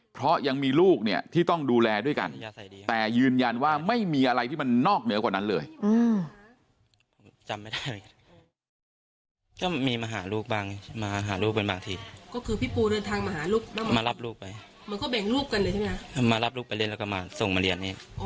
เพราะยังมีลูกเนี่ยที่ต้องดูแลด้วยกันแต่ยืนยันว่าไม่มีอะไรที่มันนอกเหนือกว่านั้นเลย